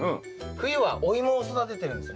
冬はお芋を育ててるんですね。